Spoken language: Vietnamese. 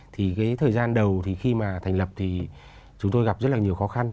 thì cái thời gian đầu thì khi mà thành lập thì chúng tôi gặp rất là nhiều khó khăn